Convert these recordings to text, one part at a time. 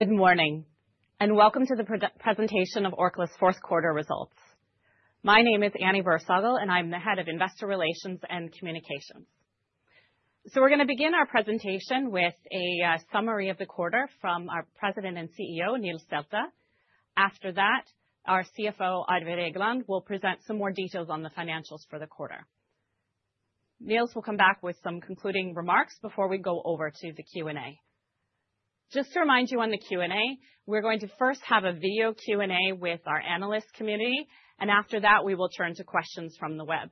Good morning, and welcome to the presentation of Orkla's fourth quarter results. My name is Annie Bersagel, and I'm the Head of Investor Relations and Communications. We're gonna begin our presentation with a summary of the quarter from our President and CEO, Nils Selte. After that, our CFO, Arve Regland, will present some more details on the financials for the quarter. Nils will come back with some concluding remarks before we go over to the Q&A. Just to remind you on the Q&A, we're going to first have a video Q&A with our analyst community, and after that, we will turn to questions from the web.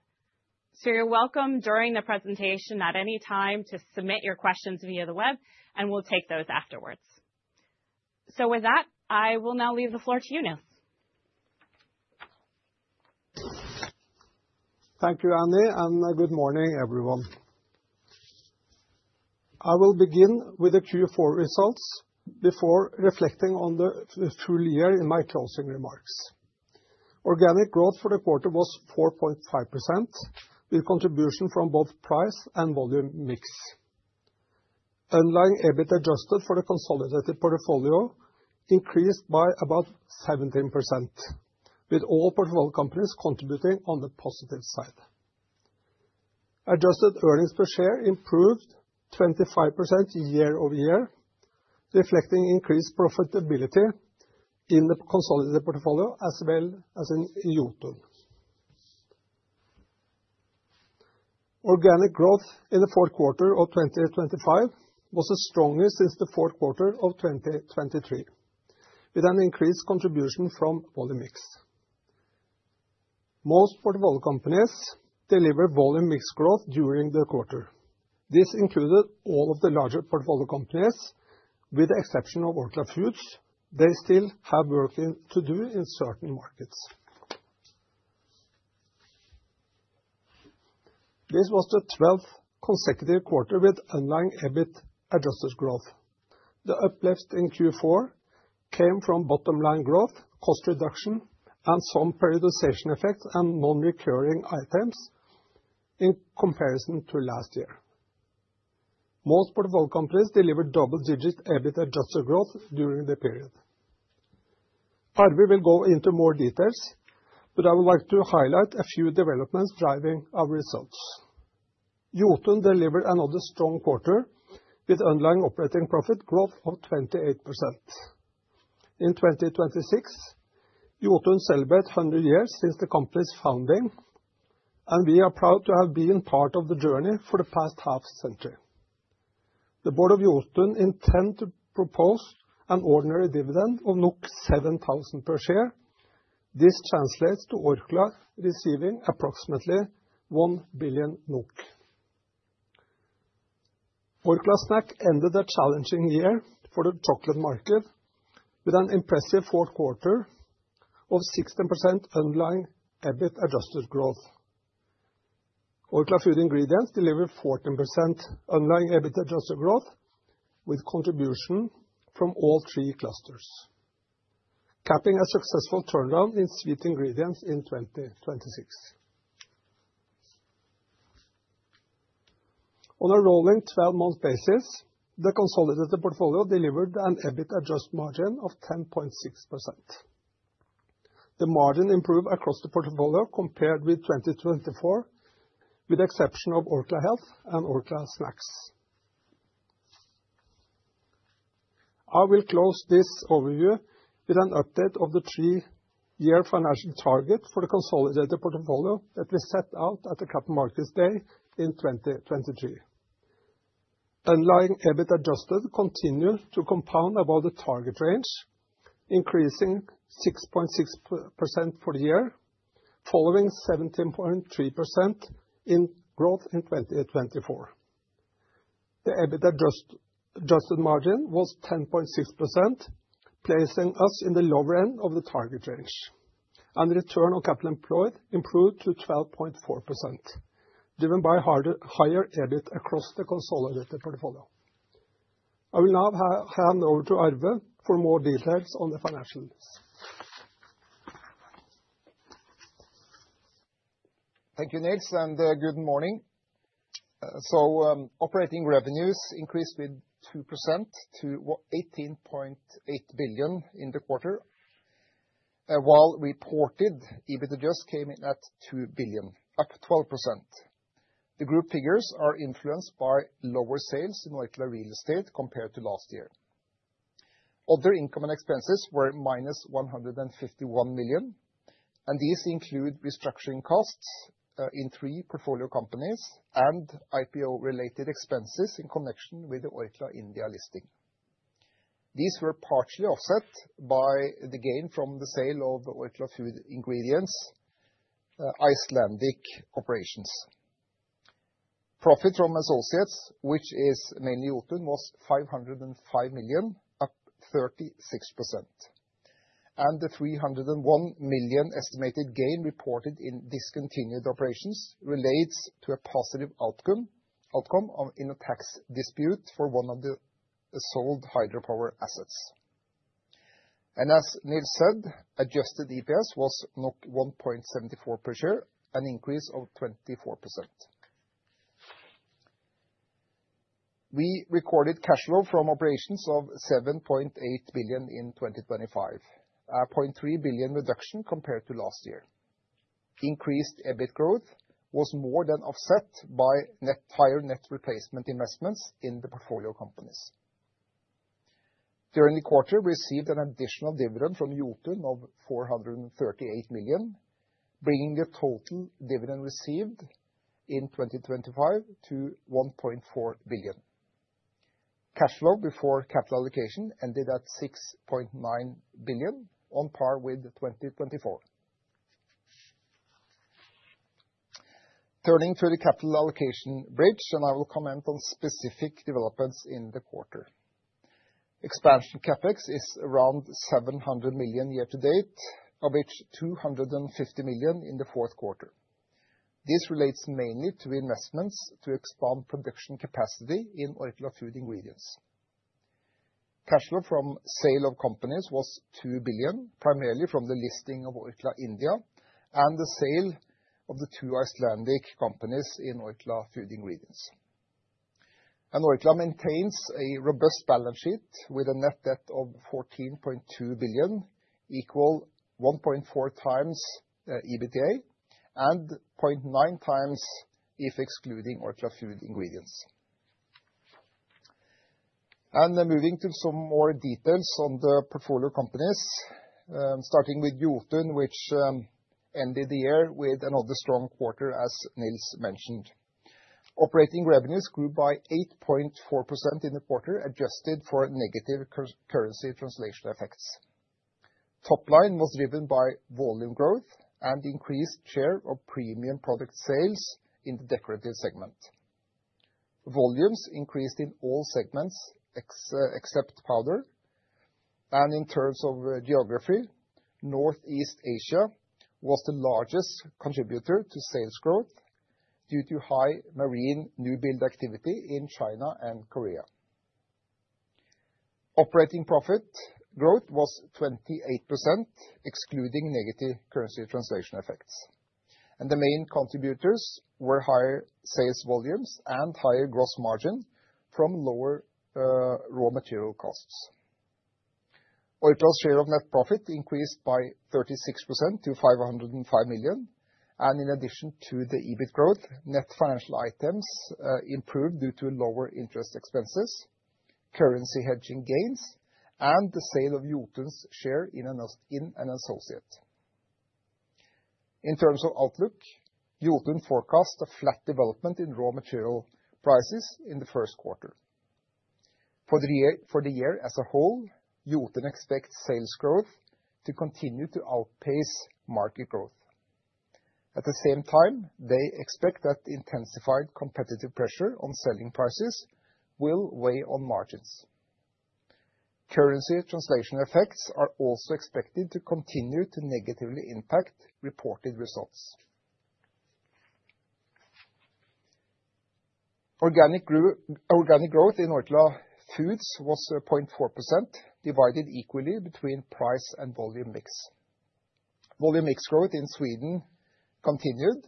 You're welcome during the presentation at any time to submit your questions via the web, and we'll take those afterwards. With that, I will now leave the floor to you, Nils. Thank you, Annie, and good morning, everyone. I will begin with the Q4 results before reflecting on the full year in my closing remarks. Organic growth for the quarter was 4.5%, with contribution from both price and volume mix. Underlying EBIT adjusted for the consolidated portfolio increased by about 17%, with all portfolio companies contributing on the positive side. Adjusted earnings per share improved 25% year-over-year, reflecting increased profitability in the consolidated portfolio, as well as in Jotun. Organic growth in the fourth quarter of 2025 was the strongest since the fourth quarter of 2023, with an increased contribution from volume mix. Most portfolio companies delivered volume mix growth during the quarter. This included all of the larger portfolio companies, with the exception of Orkla Foods. They still have work to do in certain markets. This was the 12th consecutive quarter with underlying EBIT adjusted growth. The uplift in Q4 came from bottom-line growth, cost reduction, and some periodisation effects and non-recurring items in comparison to last year. Most portfolio companies delivered double-digit EBIT adjusted growth during the period. Arve will go into more details, but I would like to highlight a few developments driving our results. Jotun delivered another strong quarter, with underlying operating profit growth of 28%. In 2026, Jotun celebrates 100 years since the company's founding, and we are proud to have been part of the journey for the past half century. The board of Jotun intend to propose an ordinary dividend of 7,000 per share. This translates to Orkla receiving approximately 1 billion NOK. Orkla Snacks ended a challenging year for the chocolate market with an impressive fourth quarter of 16% underlying EBIT adjusted growth. Orkla Food Ingredients delivered 14% underlying EBIT adjusted growth, with contribution from all three clusters, capping a successful turnaround in sweet ingredients in 2026. On a rolling 12-month basis, the consolidated portfolio delivered an EBIT adjusted margin of 10.6%. The margin improved across the portfolio compared with 2024, with the exception of Orkla Health and Orkla Snacks. I will close this overview with an update of the three-year financial target for the consolidated portfolio that we set out at the Capital Markets Day in 2023. Underlying EBIT adjusted continued to compound above the target range, increasing 6.6% for the year, following 17.3% in growth in 2024. The EBIT adjusted, adjusted margin was 10.6%, placing us in the lower end of the target range, and return on capital employed improved to 12.4%, driven by higher EBIT across the consolidated portfolio. I will now hand over to Arve for more details on the financials. Thank you, Nils, and good morning. So, operating revenues increased with 2% to 18.8 billion in the quarter, while reported EBIT adjusted came in at 2 billion, up 12%. The group figures are influenced by lower sales in Orkla Real Estate compared to last year. Other income and expenses were -151 million, and these include restructuring costs in three portfolio companies and IPO-related expenses in connection with the Orkla India listing. These were partially offset by the gain from the sale of Orkla Food Ingredients' Icelandic operations. Profit from associates, which is mainly Jotun, was 505 million, up 36%, and the 301 million estimated gain reported in discontinued operations relates to a positive outcome in a tax dispute for one of the sold hydropower assets. As Nils said, adjusted EPS was 1.74 per share, an increase of 24%. We recorded cash flow from operations of 7.8 billion in 2025, a 0.3 billion reduction compared to last year. Increased EBIT growth was more than offset by higher net replacement investments in the portfolio companies. During the quarter, received an additional dividend from Jotun of 438 million, bringing the total dividend received in 2025 to 1.4 billion. Cash flow before capital allocation ended at 6.9 billion, on par with 2024. Turning to the capital allocation bridge, and I will comment on specific developments in the quarter. Expansion CapEx is around 700 million year to date, of which 250 million in the fourth quarter. This relates mainly to investments to expand production capacity in Orkla Food Ingredients. Cash flow from sale of companies was 2 billion, primarily from the listing of Orkla India, and the sale of the two Icelandic companies in Orkla Food Ingredients. Orkla maintains a robust balance sheet, with a net debt of 14.2 billion, equal 1.4x EBITDA, and 0.9x if excluding Orkla Food Ingredients. Then moving to some more details on the portfolio companies, starting with Jotun, which ended the year with another strong quarter, as Nils mentioned. Operating revenues grew by 8.4% in the quarter, adjusted for negative currency translation effects. Top line was driven by volume growth and increased share of premium product sales in the decorative segment. Volumes increased in all segments, except powder. In terms of geography, Northeast Asia was the largest contributor to sales growth due to high marine newbuild activity in China and Korea. Operating profit growth was 28%, excluding negative currency translation effects, and the main contributors were higher sales volumes and higher gross margin from lower raw material costs. Orkla's share of net profit increased by 36% to 505 million, and in addition to the EBIT growth, net financial items improved due to lower interest expenses, currency hedging gains, and the sale of Jotun's share in an associate. In terms of outlook, Jotun forecasts a flat development in raw material prices in the first quarter. For the year, for the year as a whole, Jotun expects sales growth to continue to outpace market growth. At the same time, they expect that intensified competitive pressure on selling prices will weigh on margins. Currency translation effects are also expected to continue to negatively impact reported results. Organic growth in Orkla Foods was 0.4%, divided equally between price and volume mix. Volume mix growth in Sweden continued,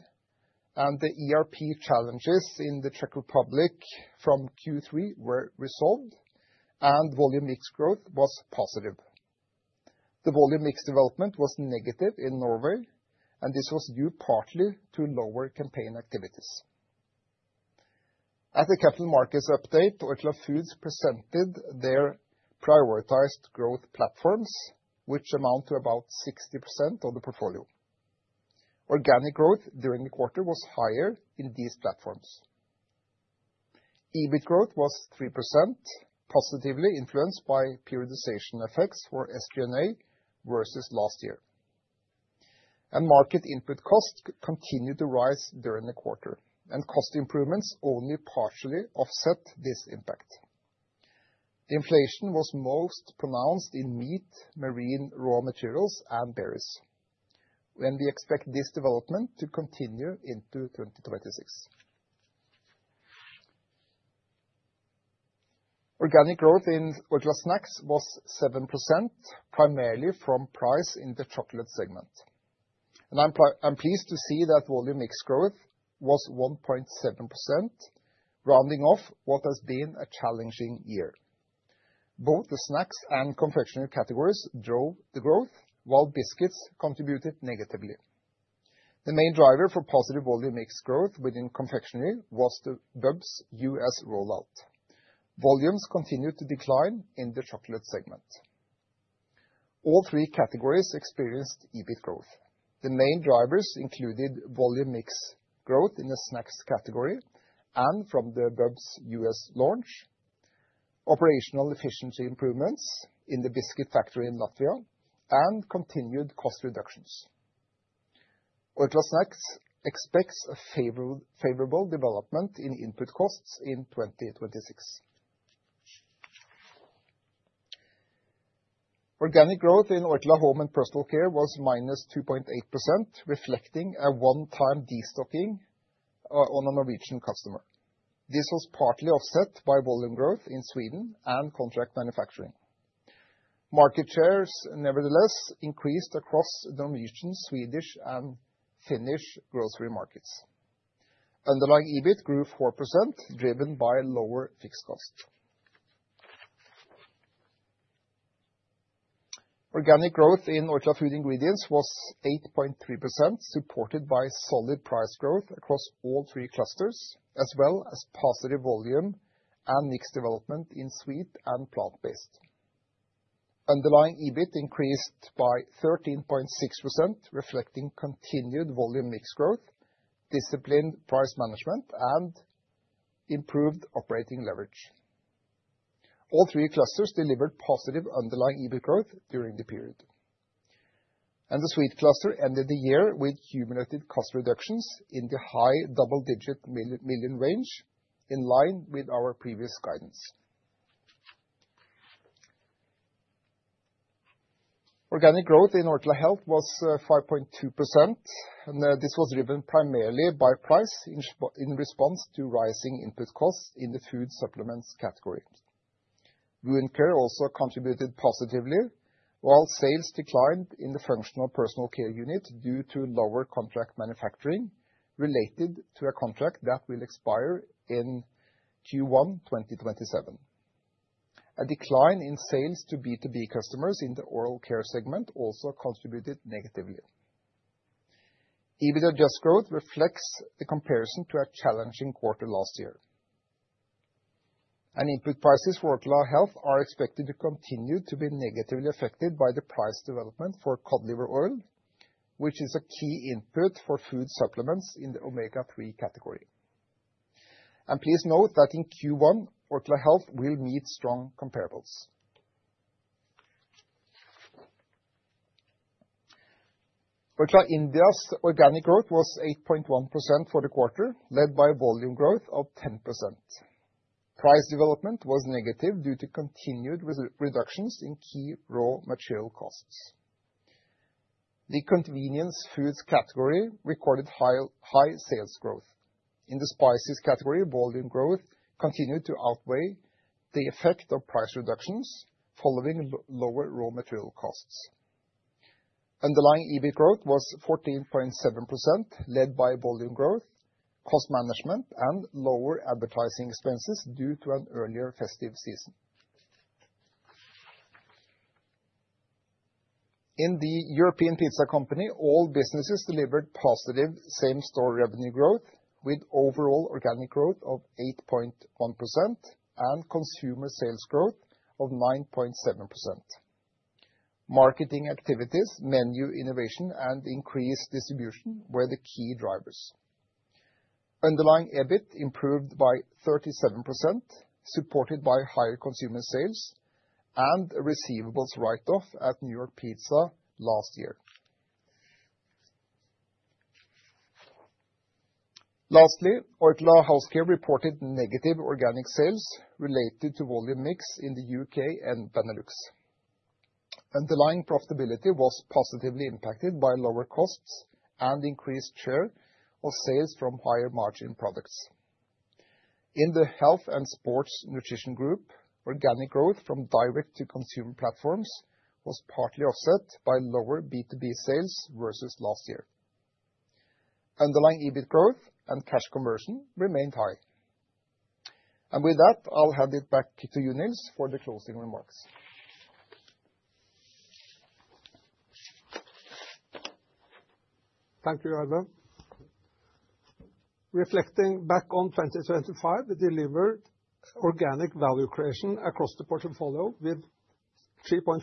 and the ERP challenges in the Czech Republic from Q3 were resolved, and volume mix growth was positive. The volume mix development was negative in Norway, and this was due partly to lower campaign activities. At the Capital Markets Update, Orkla Foods presented their prioritized growth platforms, which amount to about 60% of the portfolio. Organic growth during the quarter was higher in these platforms. EBIT growth was 3%, positively influenced by periodisation effects for SG&A versus last year. Market input costs continued to rise during the quarter, and cost improvements only partially offset this impact. Inflation was most pronounced in meat, marine raw materials, and berries, and we expect this development to continue into 2026. Organic growth in Orkla Snacks was 7%, primarily from price in the chocolate segment. I'm pleased to see that volume mix growth was 1.7%, rounding off what has been a challenging year. Both the snacks and confectionery categories drove the growth, while biscuits contributed negatively. The main driver for positive volume mix growth within confectionery was the Bubs U.S. rollout. Volumes continued to decline in the chocolate segment. All three categories experienced EBIT growth. The main drivers included volume mix growth in the snacks category and from the Bubs U.S. launch, operational efficiency improvements in the biscuit factory in Latvia, and continued cost reductions. Orkla Snacks expects a favorable development in input costs in 2026. Organic growth in Orkla Home and Personal Care was -2.8%, reflecting a one-time destocking on a Norwegian customer. This was partly offset by volume growth in Sweden and contract manufacturing. Market shares nevertheless increased across the Norwegian, Swedish, and Finnish grocery markets. Underlying EBIT grew 4%, driven by lower fixed cost. Organic growth in Orkla Food Ingredients was 8.3%, supported by solid price growth across all three clusters, as well as positive volume and mix development in sweet and plant-based. Underlying EBIT increased by 13.6%, reflecting continued volume mix growth, disciplined price management, and improved operating leverage. All three clusters delivered positive underlying EBIT growth during the period. And the sweet cluster ended the year with cumulative cost reductions in the high double-digit million range, in line with our previous guidance. Organic growth in Orkla Health was 5.2%, and this was driven primarily by price in response to rising input costs in the food supplements category. Wound care also contributed positively, while sales declined in the Functional Personal Care unit due to lower contract manufacturing related to a contract that will expire in Q1 2027. A decline in sales to B2B customers in the oral care segment also contributed negatively. EBITDA adjusted growth reflects the comparison to a challenging quarter last year. And input prices for Orkla Health are expected to continue to be negatively affected by the price development for cod liver oil, which is a key input for food supplements in the omega-3 category. Please note that in Q1, Orkla Health will meet strong comparables. Orkla India's organic growth was 8.1% for the quarter, led by volume growth of 10%. Price development was negative due to continued reductions in key raw material costs. The convenience foods category recorded high sales growth. In the spices category, volume growth continued to outweigh the effect of price reductions following lower raw material costs. Underlying EBIT growth was 14.7%, led by volume growth, cost management, and lower advertising expenses due to an earlier festive season. In the European pizza company, all businesses delivered positive same-store revenue growth, with overall organic growth of 8.1% and consumer sales growth of 9.7%. Marketing activities, menu innovation, and increased distribution were the key drivers. Underlying EBIT improved by 37%, supported by higher consumer sales and a receivables write-off at New York Pizza last year. Lastly, Orkla House Care reported negative organic sales related to volume/mix in the UK and Benelux. Underlying profitability was positively impacted by lower costs and increased share of sales from higher margin products. In the Health and Sports Nutrition Group, organic growth from direct-to-consumer platforms was partly offset by lower B2B sales versus last year. Underlying EBIT growth and cash conversion remained high. With that, I'll hand it back to Nils Selte for the closing remarks. Thank you, Arve. Reflecting back on 2025, we delivered organic value creation across the portfolio with 3.5%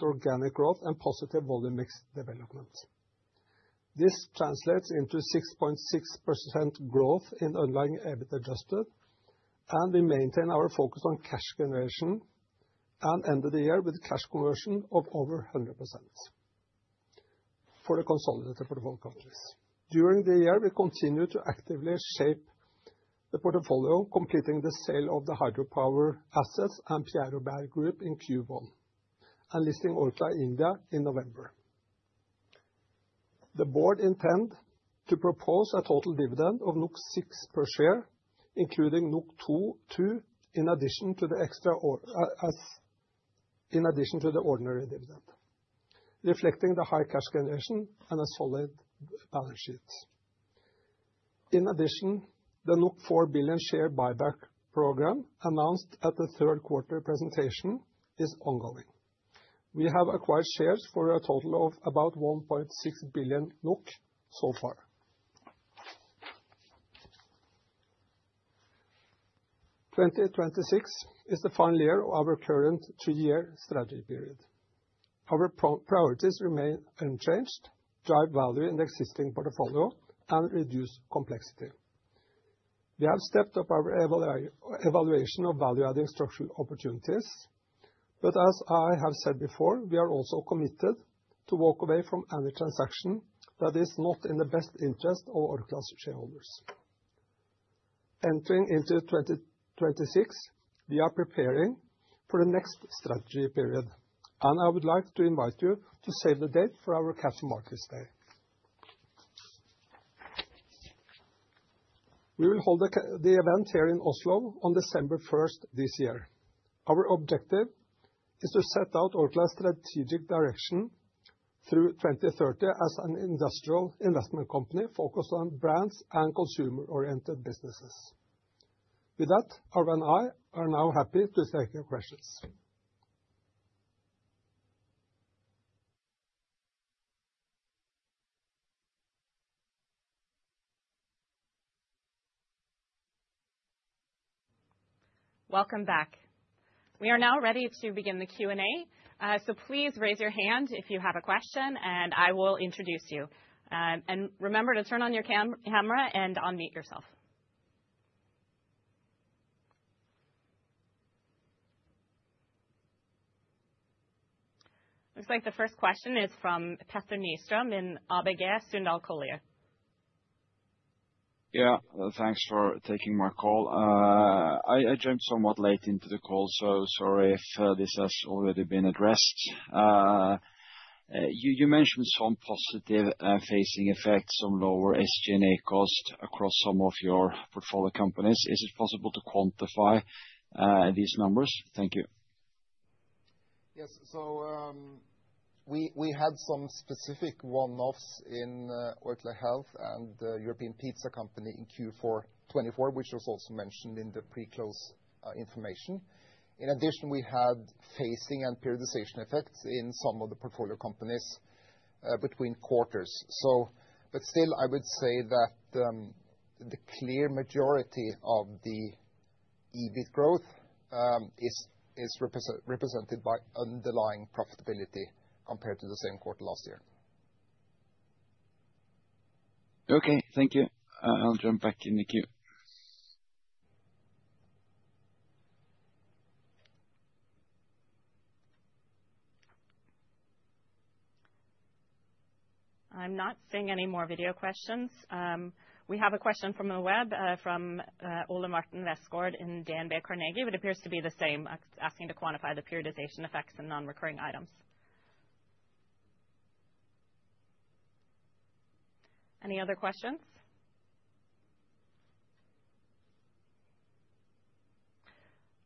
organic growth and positive volume mix development. This translates into 6.6% growth in underlying EBIT adjusted, and we maintain our focus on cash generation, and ended the year with cash conversion of over 100% for the consolidated portfolio countries. During the year, we continued to actively shape the portfolio, completing the sale of the hydropower assets and Fjerdingby Group in Q1, and listing Orkla India in November. The board intend to propose a total dividend of 6 per share, including 2.2 in addition to the ordinary dividend, reflecting the high cash generation and a solid balance sheet. In addition, the 4 billion share buyback program announced at the third quarter presentation is ongoing. We have acquired shares for a total of about 1.6 billion NOK so far. 2026 is the final year of our current three-year strategy period. Our priorities remain unchanged: drive value in the existing portfolio and reduce complexity. We have stepped up our evaluation of value-adding structural opportunities, but as I have said before, we are also committed to walk away from any transaction that is not in the best interest of Orkla's shareholders. Entering into 2026, we are preparing for the next strategy period, and I would like to invite you to save the date for our Capital Markets Day. We will hold the event here in Oslo on December first this year. Our objective is to set out Orkla's strategic direction through 2030 as an industrial investment company focused on brands and consumer-oriented businesses. With that, Arve and I are now happy to take your questions. Welcome back. We are now ready to begin the Q&A, so please raise your hand if you have a question, and I will introduce you. Remember to turn on your camera and unmute yourself. Looks like the first question is from Petter Nystrøm in ABG Sundal Collier. Yeah, thanks for taking my call. I jumped somewhat late into the call, so sorry if this has already been addressed. You mentioned some positive phasing effects on lower SG&A costs across some of your portfolio companies. Is it possible to quantify these numbers? Thank you. Yes. So, we had some specific one-offs in Orkla Health and European Pizza Company in Q4 2024, which was also mentioned in the pre-close information. In addition, we had phasing and periodisation effects in some of the portfolio companies between quarters. So—but still, I would say that the clear majority of the EBIT growth is represented by underlying profitability compared to the same quarter last year. Okay, thank you. I'll jump back in the queue. I'm not seeing any more video questions. We have a question from the web from Ole Martin Westgaard at DNB Markets, but appears to be the same, asking to quantify the periodisation effects and non-recurring items. Any other questions?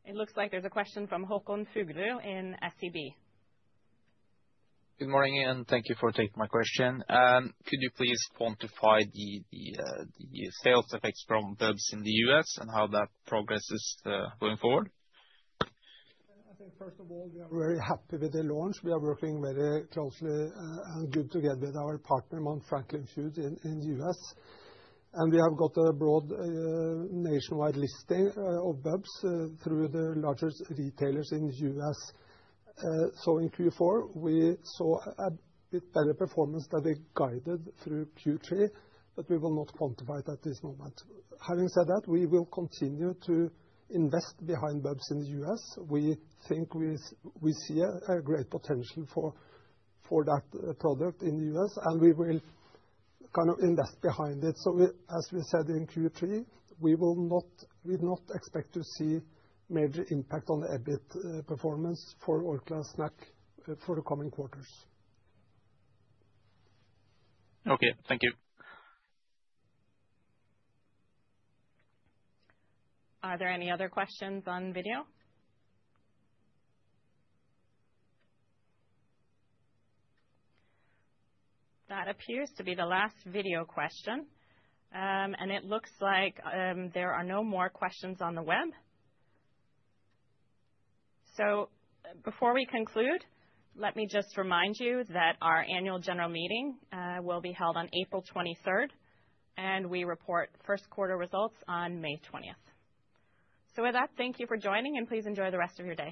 It looks like there's a question from Håkon Fuglu at SEB. Good morning, and thank you for taking my question. Could you please quantify the sales effects from Bubs in the U.S. and how that progress is going forward? I think, first of all, we are very happy with the launch. We are working very closely and good together with our partner, Mount Franklin Foods, in the U.S. And we have got a broad nationwide listing of Bubs through the largest retailers in the U.S. So in Q4, we saw a bit better performance than we guided through Q3, but we will not quantify it at this moment. Having said that, we will continue to invest behind Bubs in the U.S. We think we see a great potential for that product in the U.S., and we will kind of invest behind it. So as we said in Q3, we will not expect to see major impact on the EBIT performance for Orkla Snacks for the coming quarters. Okay, thank you. Are there any other questions on video? That appears to be the last video question. And it looks like, there are no more questions on the web. So before we conclude, let me just remind you that our Annual General Meeting will be held on April 23rd, and we report first quarter results on May 20th. So with that, thank you for joining, and please enjoy the rest of your day.